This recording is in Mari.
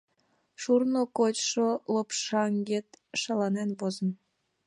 Шурно кочшо лопшаҥгет шаланен возын!..